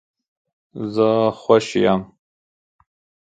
زه خوش یم